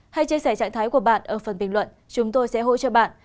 hãy chia sẻ trạng thái của bạn ở phần bình luận chúng tôi sẽ hỗ trợ bạn